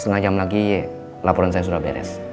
setengah jam lagi laporan saya sudah beres